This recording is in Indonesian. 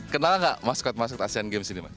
kenal nggak maskot maskot asian games ini mas